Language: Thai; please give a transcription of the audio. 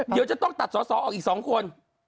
เดี๋ยวจะต้องตัดสอสอออกอีก๒คน